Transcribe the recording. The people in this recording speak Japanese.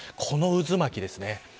この渦巻きですね。